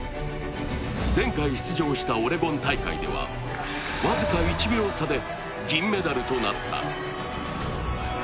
前回出場したオレゴン大会では僅か１秒差で銀メダルとなった。